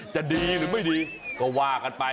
จะดีหรือไม่ดีก็ว่ากันไป